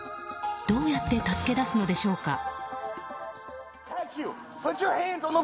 どうやって助け出すのでしょうか。